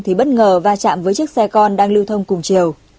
thì bất ngờ va chạm với chiếc xe con đang lưu thông cùng chiều